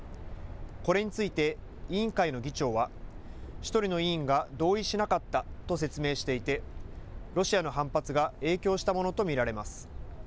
これについて委員会の議長は１人の委員が同意しなかったと説明していてロシアの反発が影響したものと見られます。